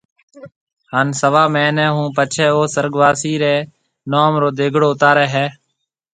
ھان سوا مھيَََنيَ ھون پڇيَ او سُرگواسي رَي نوم رو ديگڙيو اُتارَي ھيََََ